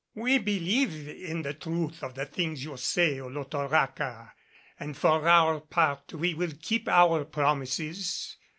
"We believe in the truth of the things you say, Olotoraca, and for our part we will keep our promises.